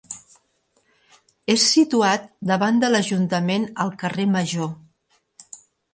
És situat davant de l'Ajuntament al carrer Major.